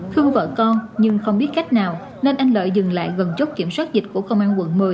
khuyên vợ con nhưng không biết cách nào nên anh lợi dừng lại gần chốt kiểm soát dịch của công an quận một mươi